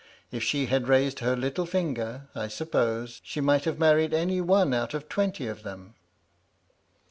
If she had raised her little finger, I suppose, she might have married any one out of twenty of them.